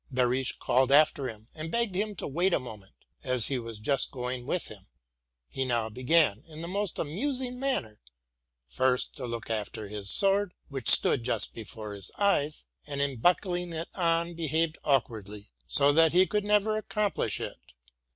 Behrisch called after him, and begged him to wait a moment, as he was just going with him. He now began, in the most amus ing manner, first to look after his sword, which stood just before his eyes, and in buckling it on behaved awkwardly, so that he could never accomplish it.